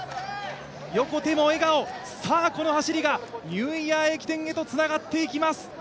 横手も笑顔、さあ、この走りがニューイヤー駅伝へとつながっていきます。